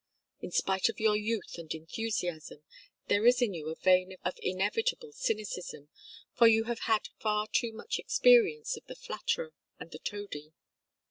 In spite of your youth and enthusiasm, there is in you a vein of inevitable cynicism, for you have had far too much experience of the flatterer and the toady.